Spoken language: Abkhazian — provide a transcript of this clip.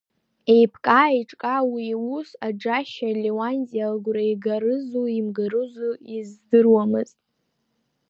Еиԥкаа-еиҿкаа уи иус ацашьа Леуанти агәра игарызу имгарызу издыруамызт.